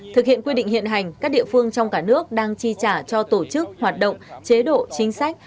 thực hiện quy định hiện hành các địa phương trong cả nước đang chi trả cho tổ chức hoạt động chế độ chính sách